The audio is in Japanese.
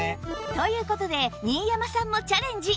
という事で新山さんもチャレンジ